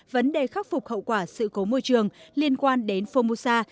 vấn đề khắc phục hậu quả sự cố môi trường liên quan đến formusa